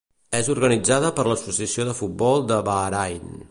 És organitzada per l'Associació de Futbol de Bahrain.